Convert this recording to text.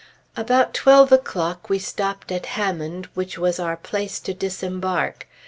About twelve o'clock we stopped at Hammond, which was our place to disembark.